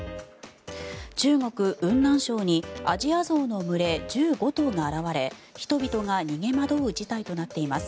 中国・雲南省にアジアゾウの群れ１５頭が現れ人々が逃げ惑う事態となっています。